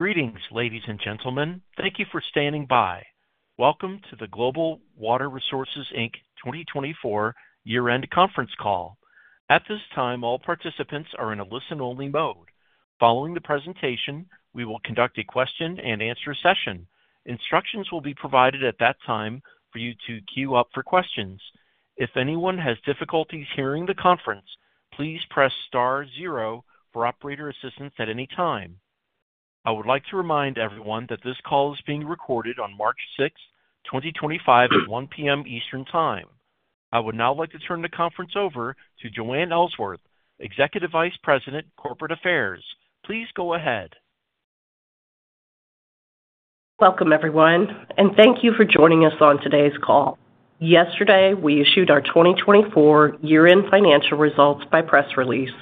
Greetings, ladies and gentlemen. Thank you for standing by. Welcome to the Global Water Resources 2024 year-end conference call. At this time, all participants are in a listen-only mode. Following the presentation, we will conduct a question-and-answer session. Instructions will be provided at that time for you to queue up for questions. If anyone has difficulties hearing the conference, please press star zero for operator assistance at any time. I would like to remind everyone that this call is being recorded on March 6th, 2025, at 1:00 P.M. Eastern Time. I would now like to turn the conference over to Joanne Ellsworth, Executive Vice President, Corporate Affairs. Please go ahead. Welcome, everyone, and thank you for joining us on today's call. Yesterday, we issued our 2024 year-end financial results by press release,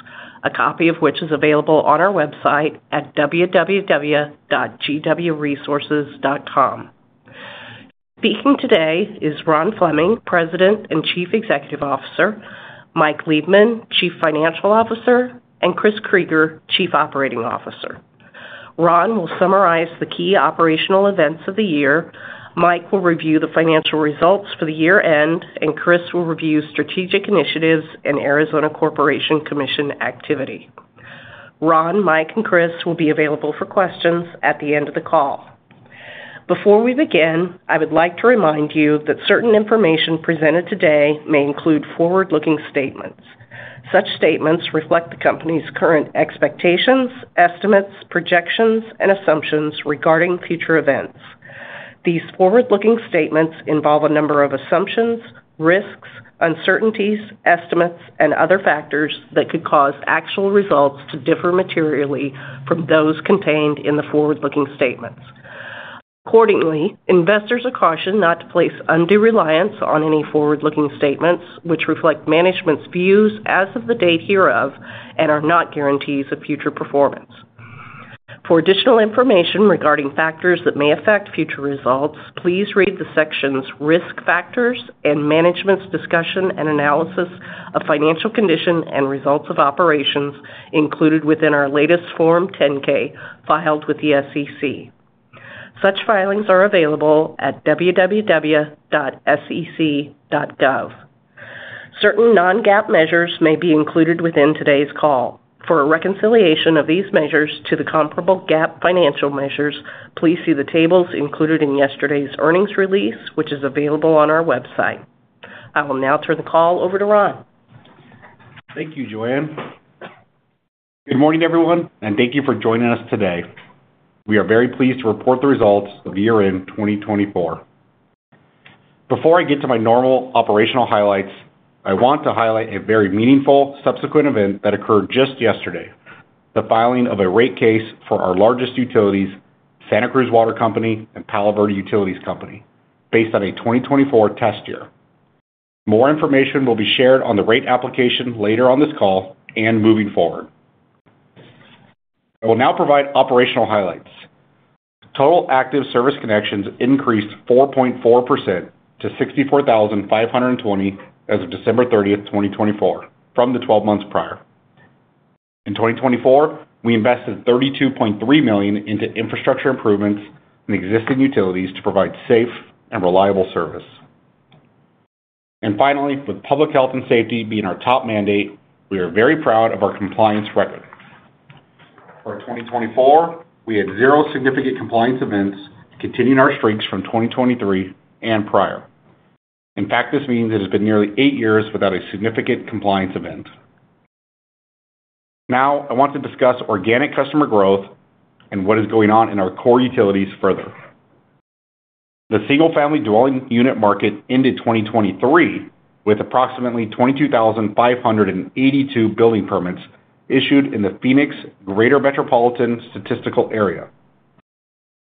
a copy of which is available on our website at www.gwresources.com. Speaking today is Ron Fleming, President and Chief Executive Officer, Mike Liebman, Chief Financial Officer, and Chris Krygier, Chief Operating Officer. Ron will summarize the key operational events of the year. Mike will review the financial results for the year-end, and Chris will review strategic initiatives and Arizona Corporation Commission activity. Ron, Mike, and Chris will be available for questions at the end of the call. Before we begin, I would like to remind you that certain information presented today may include forward-looking statements. Such statements reflect the company's current expectations, estimates, projections, and assumptions regarding future events. These forward-looking statements involve a number of assumptions, risks, uncertainties, estimates, and other factors that could cause actual results to differ materially from those contained in the forward-looking statements. Accordingly, investors are cautioned not to place undue reliance on any forward-looking statements, which reflect management's views as of the date hereof and are not guarantees of future performance. For additional information regarding factors that may affect future results, please read the sections Risk Factors and Management's Discussion and Analysis of Financial Condition and Results of Operations included within our latest Form 10-K filed with the U.S. Securities and Exchange Commission. Such filings are available at www.sec.gov. Certain non-GAAP measures may be included within today's call. For a reconciliation of these measures to the comparable GAAP financial measures, please see the tables included in yesterday's earnings release, which is available on our website. I will now turn the call over to Ron. Thank you, Joanne. Good morning, everyone, and thank you for joining us today. We are very pleased to report the results of year-end 2024. Before I get to my normal operational highlights, I want to highlight a very meaningful subsequent event that occurred just yesterday: the filing of a rate case for our largest utilities, Santa Cruz Water Company and Palo Verde Utilities Company, based on a 2024 test year. More information will be shared on the rate application later on this call and moving forward. I will now provide operational highlights. Total active service connections increased 4.4% to 64,520 as of December 30, 2024, from the 12 months prior. In 2024, we invested $32.3 million into infrastructure improvements and existing utilities to provide safe and reliable service. Finally, with public health and safety being our top mandate, we are very proud of our compliance record. For 2024, we had zero significant compliance events, continuing our streaks from 2023 and prior. In fact, this means it has been nearly eight years without a significant compliance event. Now, I want to discuss organic customer growth and what is going on in our core utilities further. The single-family dwelling unit market ended 2023 with approximately 22,582 building permits issued in the Phoenix Greater Metropolitan Statistical Area.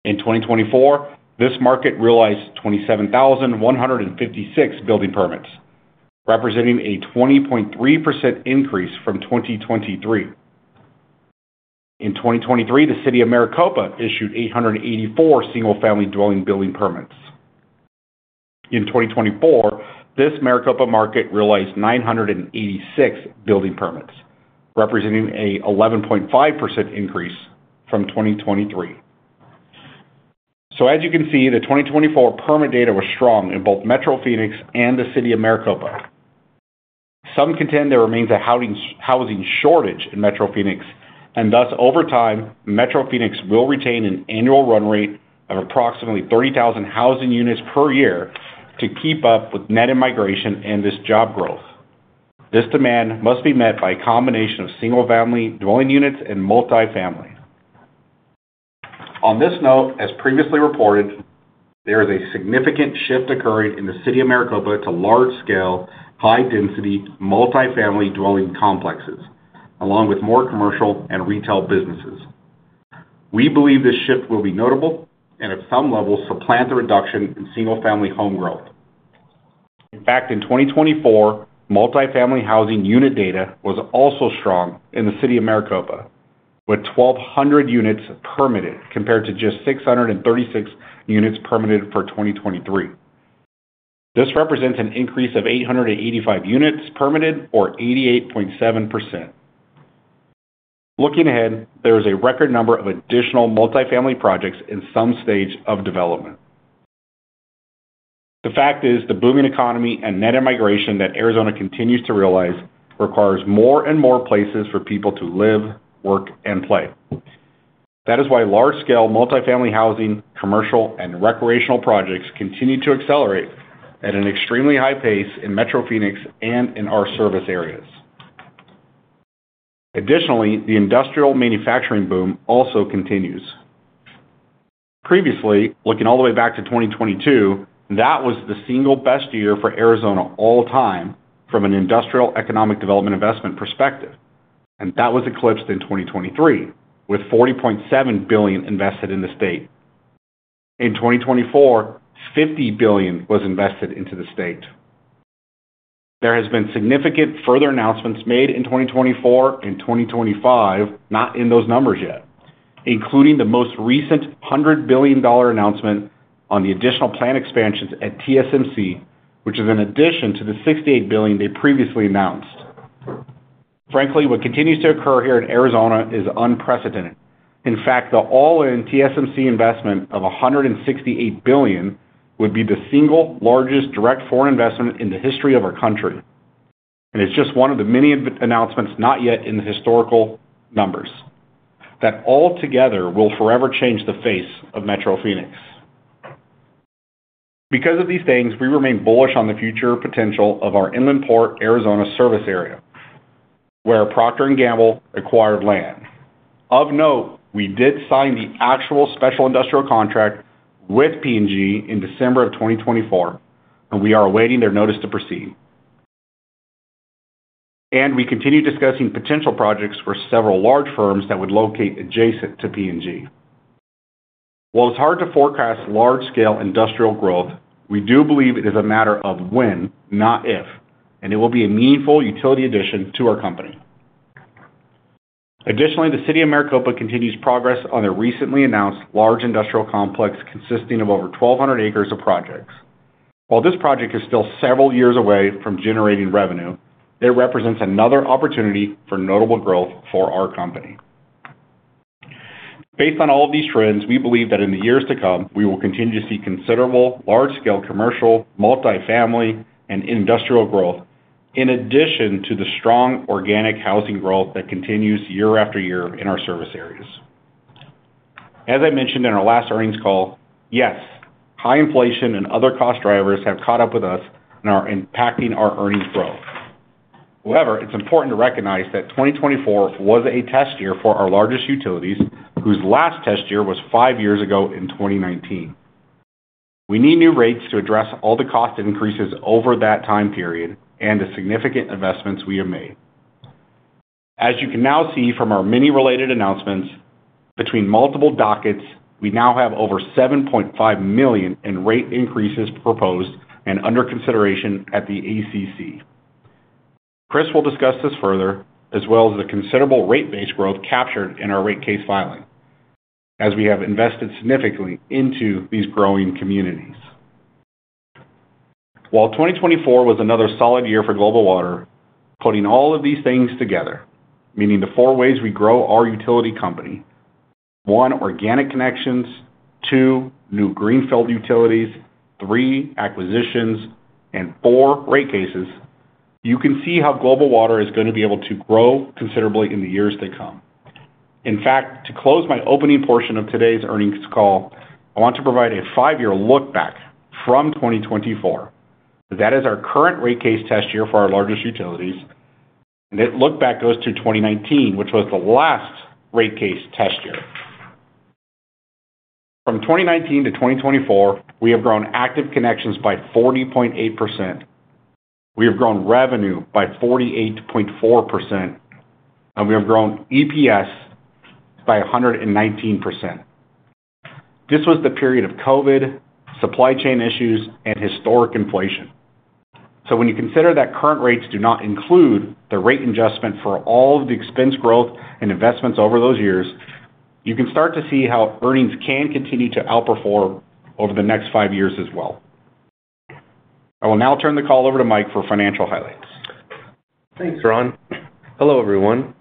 In 2024, this market realized 27,156 building permits, representing a 20.3% increase from 2023. In 2023, the City of Maricopa issued 884 single-family dwelling building permits. In 2024, this Maricopa market realized 986 building permits, representing an 11.5% increase from 2023. As you can see, the 2024 permit data was strong in both Metro Phoenix and the City of Maricopa. Some contend there remains a housing shortage in Metro Phoenix, and thus, over time, Metro Phoenix will retain an annual run rate of approximately 30,000 housing units per year to keep up with net immigration and this job growth. This demand must be met by a combination of single-family dwelling units and multi-family. On this note, as previously reported, there is a significant shift occurring in the City of Maricopa to large-scale, high-density, multi-family dwelling complexes, along with more commercial and retail businesses. We believe this shift will be notable and, at some level, supplant the reduction in single-family home growth. In fact, in 2024, multi-family housing unit data was also strong in the City of Maricopa, with 1,200 units permitted compared to just 636 units permitted for 2023. This represents an increase of 885 units permitted, or 88.7%. Looking ahead, there is a record number of additional multi-family projects in some stage of development. The fact is the booming economy and net immigration that Arizona continues to realize requires more and more places for people to live, work, and play. That is why large-scale multi-family housing, commercial, and recreational projects continue to accelerate at an extremely high pace in Metro Phoenix and in our service areas. Additionally, the industrial manufacturing boom also continues. Previously, looking all the way back to 2022, that was the single best year for Arizona all time from an industrial economic development investment perspective, and that was eclipsed in 2023 with $40.7 billion invested in the state. In 2024, $50 billion was invested into the state. There have been significant further announcements made in 2024 and 2025, not in those numbers yet, including the most recent $100 billion announcement on the additional plan expansions at TSMC, which is in addition to the $68 billion they previously announced. Frankly, what continues to occur here in Arizona is unprecedented. In fact, the all-in TSMC investment of $168 billion would be the single largest direct foreign investment in the history of our country. It is just one of the many announcements not yet in the historical numbers that altogether will forever change the face of Metro Phoenix. Because of these things, we remain bullish on the future potential of our Inland Port, Arizona service area, where Procter & Gamble acquired land. Of note, we did sign the actual special industrial contract with P&G in December of 2024, and we are awaiting their notice to proceed. We continue discussing potential projects for several large firms that would locate adjacent to P&G. While it's hard to forecast large-scale industrial growth, we do believe it is a matter of when, not if, and it will be a meaningful utility addition to our company. Additionally, the City of Maricopa continues progress on their recently announced large industrial complex consisting of over 1,200 acres of projects. While this project is still several years away from generating revenue, it represents another opportunity for notable growth for our company. Based on all of these trends, we believe that in the years to come, we will continue to see considerable large-scale commercial, multi-family, and industrial growth, in addition to the strong organic housing growth that continues year after year in our service areas. As I mentioned in our last earnings call, yes, high inflation and other cost drivers have caught up with us and are impacting our earnings growth. However, it's important to recognize that 2024 was a test year for our largest utilities, whose last test year was five years ago in 2019. We need new rates to address all the cost increases over that time period and the significant investments we have made. As you can now see from our many related announcements, between multiple dockets, we now have over $7.5 million in rate increases proposed and under consideration at the ACC. Chris will discuss this further, as well as the considerable rate base growth captured in our rate case filing, as we have invested significantly into these growing communities. While 2024 was another solid year for Global Water, putting all of these things together, meaning the four ways we grow our utility company: one, organic connections; two, new greenfield utilities; three, acquisitions; and four, rate cases, you can see how Global Water is going to be able to grow considerably in the years to come. In fact, to close my opening portion of today's earnings call, I want to provide a five-year lookback from 2024. That is our current rate case test year for our largest utilities, and that lookback goes to 2019, which was the last rate case test year. From 2019 to 2024, we have grown active connections by 40.8%. We have grown revenue by 48.4%, and we have grown EPS by 119%. This was the period of COVID, supply chain issues, and historic inflation. When you consider that current rates do not include the rate adjustment for all of the expense growth and investments over those years, you can start to see how earnings can continue to outperform over the next five years as well. I will now turn the call over to Mike for financial highlights. Thanks, Ron. Hello, everyone.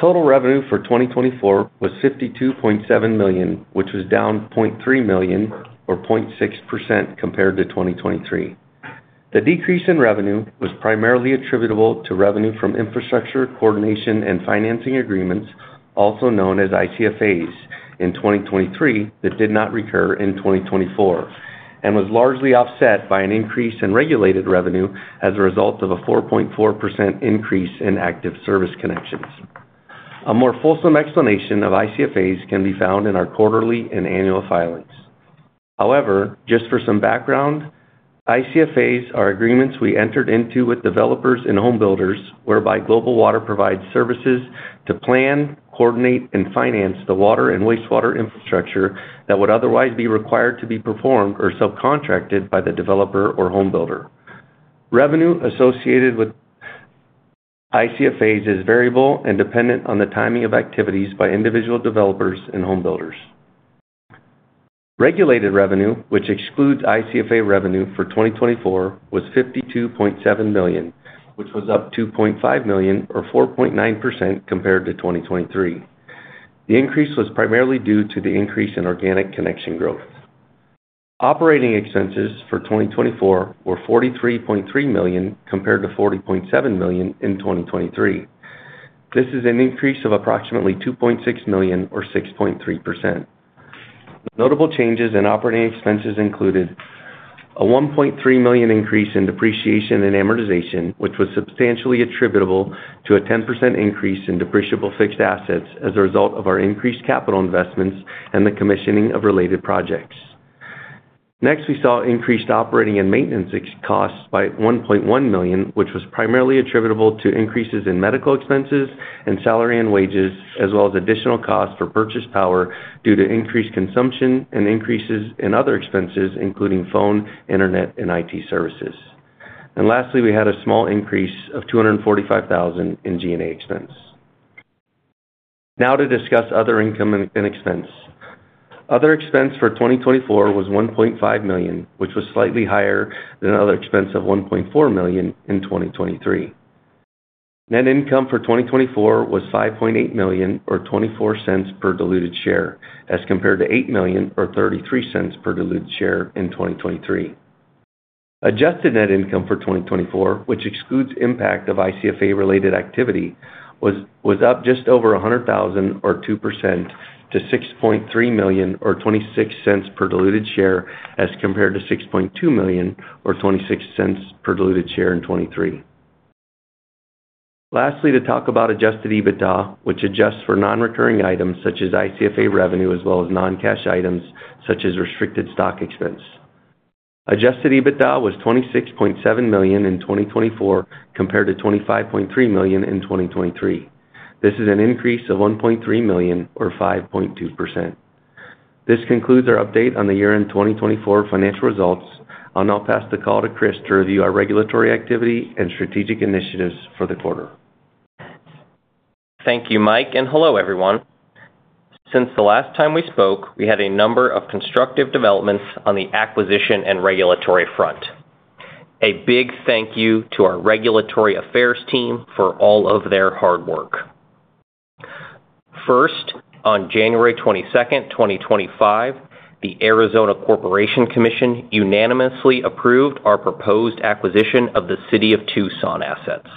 Total revenue for 2024 was $52.7 million, which was down $0.3 million, or 0.6%, compared to 2023. The decrease in revenue was primarily attributable to revenue from infrastructure coordination and financing agreements, also known as ICFAs, in 2023 that did not recur in 2024, and was largely offset by an increase in regulated revenue as a result of a 4.4% increase in active service connections. A more fulsome explanation of ICFAs can be found in our quarterly and annual filings. However, just for some background, ICFAs are agreements we entered into with developers and homebuilders whereby Global Water provides services to plan, coordinate, and finance the water and wastewater infrastructure that would otherwise be required to be performed or subcontracted by the developer or homebuilder. Revenue associated with ICFAs is variable and dependent on the timing of activities by individual developers and homebuilders. Regulated revenue, which excludes ICFA revenue for 2024, was $52.7 million, which was up $2.5 million, or 4.9%, compared to 2023. The increase was primarily due to the increase in organic connection growth. Operating expenses for 2024 were $43.3 million compared to $40.7 million in 2023. This is an increase of approximately $2.6 million, or 6.3%. Notable changes in operating expenses included a $1.3 million increase in depreciation and amortization, which was substantially attributable to a 10% increase in depreciable fixed assets as a result of our increased capital investments and the commissioning of related projects. Next, we saw increased operating and maintenance costs by $1.1 million, which was primarily attributable to increases in medical expenses and salary and wages, as well as additional costs for purchase power due to increased consumption and increases in other expenses, including phone, internet, and IT services. Lastly, we had a small increase of $245,000 in G&A expense. Now to discuss other income and expense. Other expense for 2024 was $1.5 million, which was slightly higher than other expense of $1.4 million in 2023. Net income for 2024 was $5.8 million, or $0.24 per diluted share, as compared to $8 million, or $0.33 per diluted share in 2023. Adjusted net income for 2024, which excludes impact of ICFA-related activity, was up just over $100,000, or 2%, to $6.3 million, or $0.26 per diluted share, as compared to $6.2 million, or $0.26 per diluted share in 2023. Lastly, to talk about adjusted EBITDA, which adjusts for non-recurring items such as ICFA revenue, as well as non-cash items such as restricted stock expense. Adjusted EBITDA was $26.7 million in 2024 compared to $25.3 million in 2023. This is an increase of $1.3 million, or 5.2%. This concludes our update on the year-end 2024 financial results. I'll now pass the call to Chris to review our regulatory activity and strategic initiatives for the quarter. Thank you, Mike, and hello, everyone. Since the last time we spoke, we had a number of constructive developments on the acquisition and regulatory front. A big thank you to our regulatory affairs team for all of their hard work. First, on January 22nd, 2025, the Arizona Corporation Commission unanimously approved our proposed acquisition of the City of Tucson assets.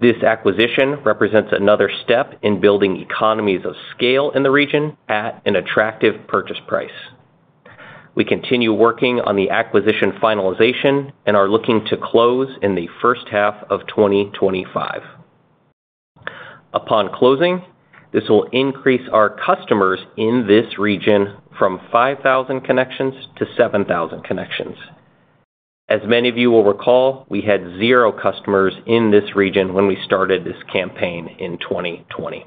This acquisition represents another step in building economies of scale in the region at an attractive purchase price. We continue working on the acquisition finalization and are looking to close in the first half of 2025. Upon closing, this will increase our customers in this region from 5,000 connections to 7,000 connections. As many of you will recall, we had zero customers in this region when we started this campaign in 2020.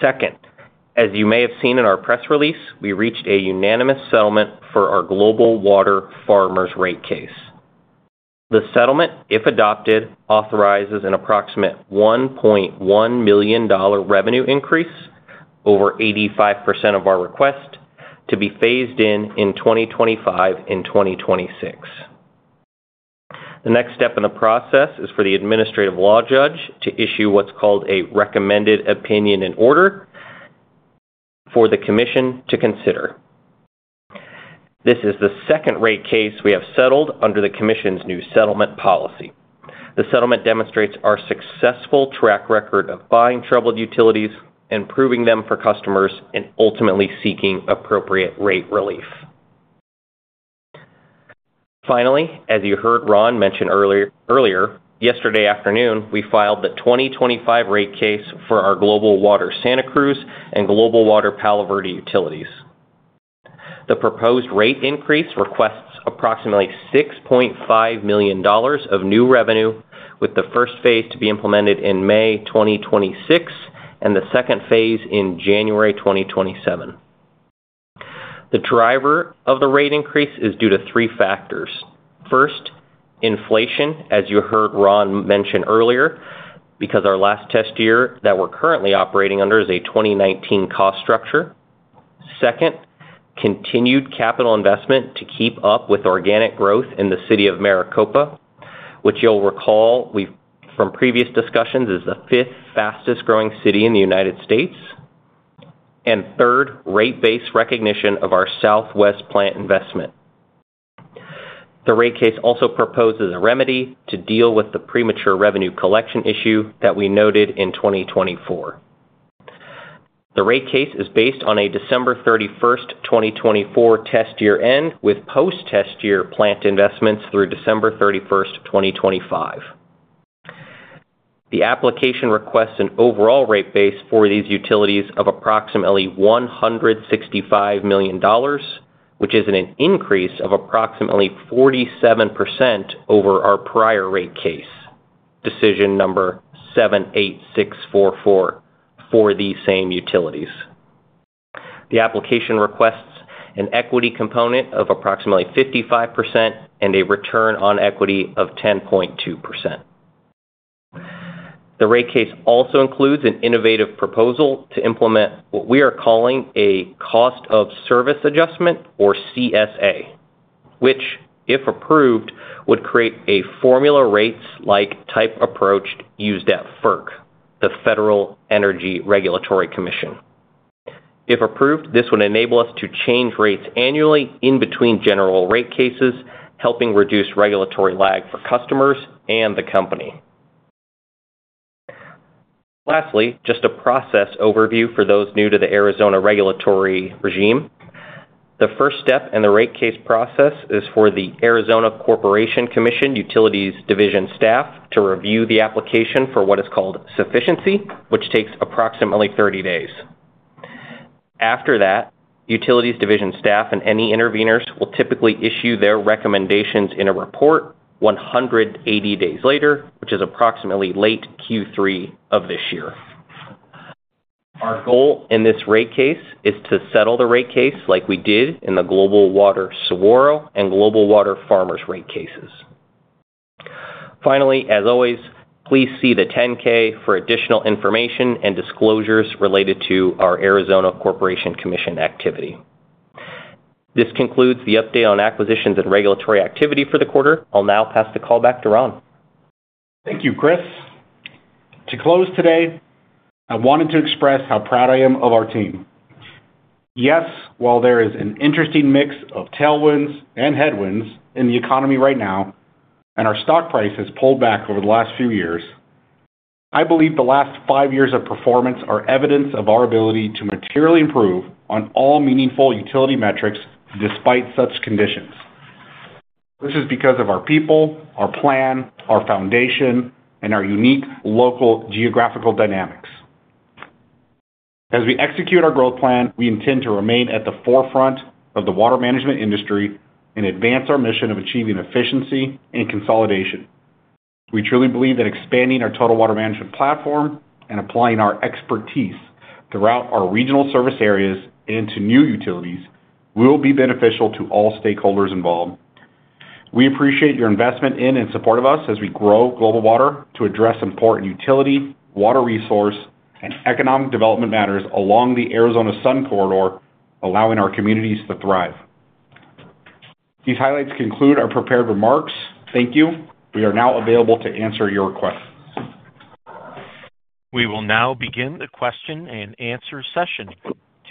Second, as you may have seen in our press release, we reached a unanimous settlement for our Global Water Farmers rate case. The settlement, if adopted, authorizes an approximate $1.1 million revenue increase, over 85% of our request, to be phased in in 2025 and 2026. The next step in the process is for the administrative law judge to issue what's called a recommended opinion and order for the commission to consider. This is the second rate case we have settled under the commission's new settlement policy. The settlement demonstrates our successful track record of buying troubled utilities, improving them for customers, and ultimately seeking appropriate rate relief. Finally, as you heard Ron mention earlier, yesterday afternoon, we filed the 2025 rate case for our Global Water Santa Cruz and Global Water Palo Verde utilities. The proposed rate increase requests approximately $6.5 million of new revenue, with the first phase to be implemented in May 2026 and the second phase in January 2027. The driver of the rate increase is due to three factors. First, inflation, as you heard Ron mention earlier, because our last test year that we're currently operating under is a 2019 cost structure. Second, continued capital investment to keep up with organic growth in the City of Maricopa, which you'll recall from previous discussions is the fifth fastest-growing city in the United States. Third, rate-based recognition of our southwest plant investment. The rate case also proposes a remedy to deal with the premature revenue collection issue that we noted in 2024. The rate case is based on a December 31, 2024 test year end with post-test year plant investments through December 31, 2025. The application requests an overall rate base for these utilities of approximately $165 million, which is an increase of approximately 47% over our prior rate case, decision number 78644, for these same utilities. The application requests an equity component of approximately 55% and a return on equity of 10.2%. The rate case also includes an innovative proposal to implement what we are calling a cost of service adjustment, or CSA, which, if approved, would create a formula rates-like type approach used at FERC, the Federal Energy Regulatory Commission. If approved, this would enable us to change rates annually in between general rate cases, helping reduce regulatory lag for customers and the company. Lastly, just a process overview for those new to the Arizona regulatory regime. The first step in the rate case process is for the Arizona Corporation Commission Utilities Division staff to review the application for what is called sufficiency, which takes approximately 30 days. After that, Utilities Division staff and any interveners will typically issue their recommendations in a report 180 days later, which is approximately late Q3 of this year. Our goal in this rate case is to settle the rate case like we did in the Global Water Saguaro and Global Water Farmers rate cases. Finally, as always, please see the 10-K for additional information and disclosures related to our Arizona Corporation Commission activity. This concludes the update on acquisitions and regulatory activity for the quarter. I'll now pass the call back to Ron. Thank you, Chris. To close today, I wanted to express how proud I am of our team. Yes, while there is an interesting mix of tailwinds and headwinds in the economy right now, and our stock price has pulled back over the last few years, I believe the last five years of performance are evidence of our ability to materially improve on all meaningful utility metrics despite such conditions. This is because of our people, our plan, our foundation, and our unique local geographical dynamics. As we execute our growth plan, we intend to remain at the forefront of the water management industry and advance our mission of achieving efficiency and consolidation. We truly believe that expanding our total water management platform and applying our expertise throughout our regional service areas and into new utilities will be beneficial to all stakeholders involved. We appreciate your investment in and support of us as we grow Global Water Resources to address important utility, water resource, and economic development matters along the Arizona Sun Corridor, allowing our communities to thrive. These highlights conclude our prepared remarks. Thank you. We are now available to answer your questions. We will now begin the question and answer session.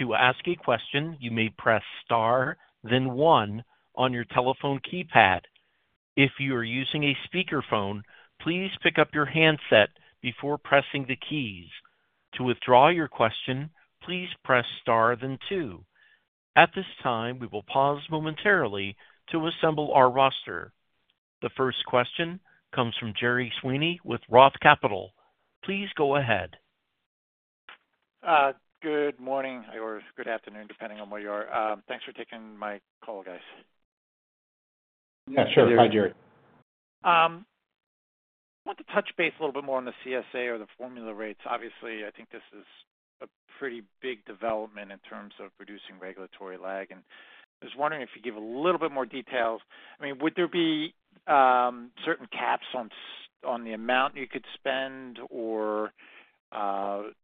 To ask a question, you may press star, then one on your telephone keypad. If you are using a speakerphone, please pick up your handset before pressing the keys. To withdraw your question, please press star, then two. At this time, we will pause momentarily to assemble our roster. The first question comes from Jerry Sweeney with Roth Capital. Please go ahead. Good morning, or good afternoon, depending on where you are. Thanks for taking my call, guys. Yeah, sure. Hi, Jerry. I want to touch base a little bit more on the CSA or the formula rates. Obviously, I think this is a pretty big development in terms of reducing regulatory lag. I was wondering if you could give a little bit more details. I mean, would there be certain caps on the amount you could spend or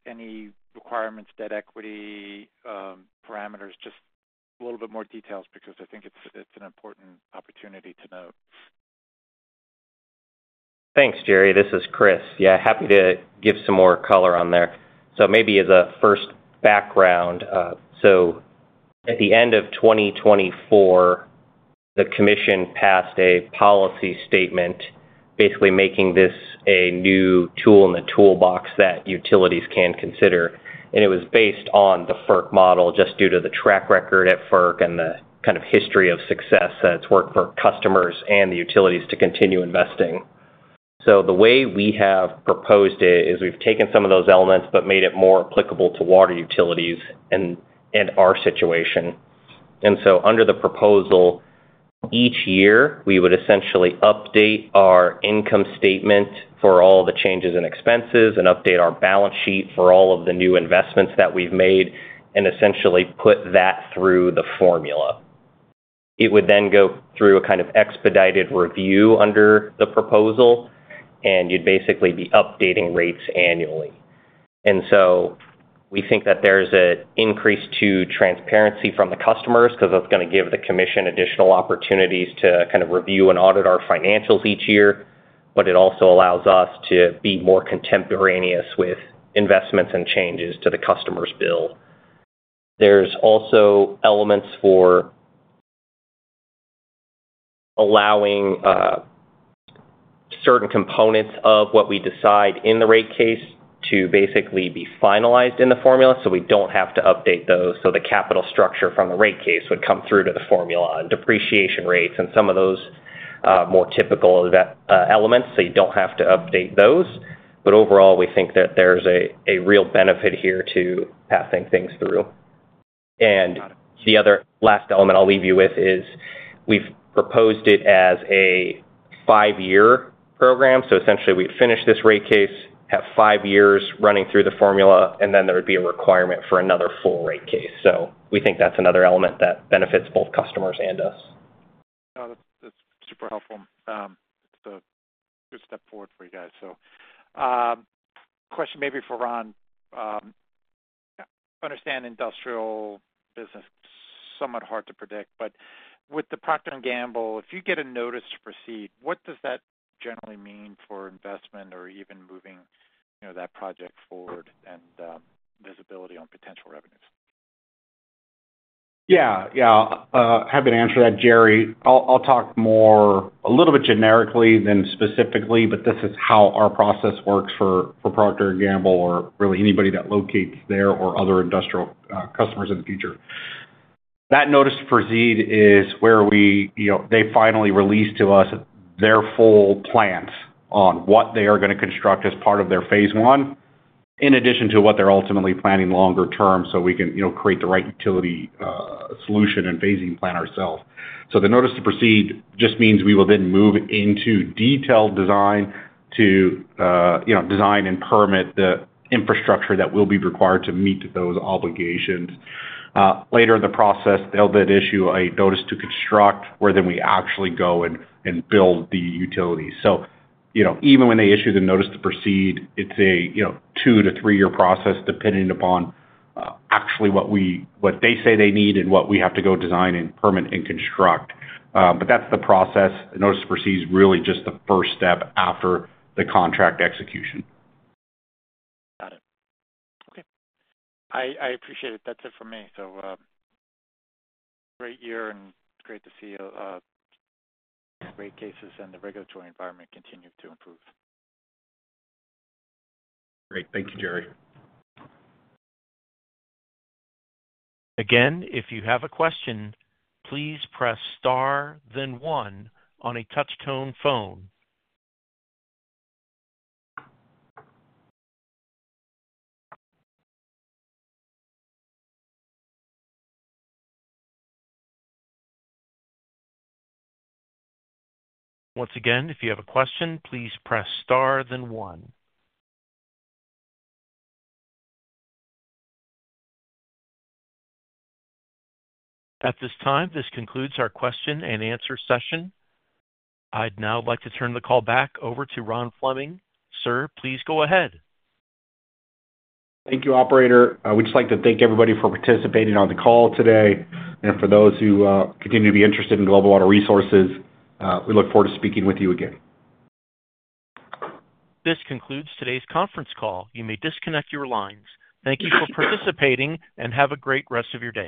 any requirements, debt equity parameters? Just a little bit more details because I think it's an important opportunity to know. Thanks, Jerry. This is Chris. Yeah, happy to give some more color on there. Maybe as a first background, at the end of 2024, the commission passed a policy statement basically making this a new tool in the toolbox that utilities can consider. It was based on the FERC model just due to the track record at FERC and the kind of history of success that it's worked for customers and the utilities to continue investing. The way we have proposed it is we've taken some of those elements but made it more applicable to water utilities and our situation. Under the proposal, each year, we would essentially update our income statement for all the changes in expenses and update our balance sheet for all of the new investments that we've made and essentially put that through the formula. It would then go through a kind of expedited review under the proposal, and you'd basically be updating rates annually. We think that there's an increase to transparency from the customers because that's going to give the commission additional opportunities to kind of review and audit our financials each year, but it also allows us to be more contemporaneous with investments and changes to the customer's bill. There's also elements for allowing certain components of what we decide in the rate case to basically be finalized in the formula so we don't have to update those. The capital structure from the rate case would come through to the formula and depreciation rates and some of those more typical elements, so you don't have to update those. Overall, we think that there's a real benefit here to passing things through. The other last element I'll leave you with is we've proposed it as a five-year program. Essentially, we'd finish this rate case, have five years running through the formula, and then there would be a requirement for another full rate case. We think that's another element that benefits both customers and us. That's super helpful. It's a good step forward for you guys. Question maybe for Ron. Understand industrial business. It's somewhat hard to predict. With the Procter & Gamble, if you get a notice to proceed, what does that generally mean for investment or even moving that project forward and visibility on potential revenues? Yeah. Yeah. Happy to answer that, Jerry. I'll talk a little bit generically than specifically, but this is how our process works for Procter & Gamble or really anybody that locates there or other industrial customers in the future. That notice for ZEED is where they finally release to us their full plans on what they are going to construct as part of their phase one in addition to what they're ultimately planning longer term so we can create the right utility solution and phasing plan ourselves. The notice to proceed just means we will then move into detailed design to design and permit the infrastructure that will be required to meet those obligations. Later in the process, they'll then issue a notice to construct where then we actually go and build the utility. Even when they issue the notice to proceed, it's a two- to three-year process depending upon actually what they say they need and what we have to go design and permit and construct. That's the process. The notice to proceed is really just the first step after the contract execution. Got it. Okay. I appreciate it. That is it for me. Great year and great to see the rate cases and the regulatory environment continue to improve. Great. Thank you, Jerry. Again, if you have a question, please press star, then one on a touch-tone phone. Once again, if you have a question, please press star, then one. At this time, this concludes our question and answer session. I'd now like to turn the call back over to Ron Fleming. Sir, please go ahead. Thank you, operator. We'd just like to thank everybody for participating on the call today. For those who continue to be interested in Global Water Resources, we look forward to speaking with you again. This concludes today's conference call. You may disconnect your lines. Thank you for participating and have a great rest of your day.